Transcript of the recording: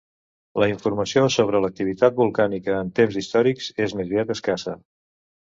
La informació sobre l'activitat volcànica en temps històrics és més aviat escassa.